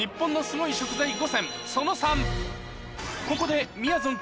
ここでみやぞん